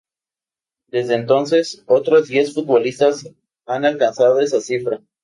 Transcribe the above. Desde entonces, otros diez futbolistas han alcanzado esa cifra.